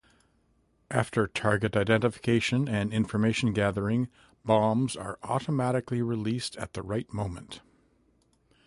After target identification and information gathering, bombs are automatically released at the right moment.